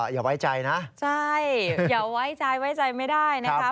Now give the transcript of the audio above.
อย่าไว้ใจนะใช่อย่าไว้ใจไว้ใจไม่ได้นะคะ